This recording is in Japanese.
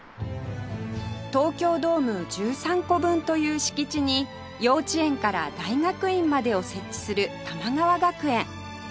東京ドーム１３個分という敷地に幼稚園から大学院までを設置する玉川学園